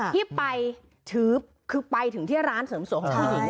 ที่ไปถือคือไปถึงที่ร้านเสริมสวยของผู้หญิง